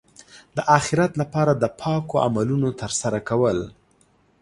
د اخرت لپاره د پاکو عملونو ترسره کول.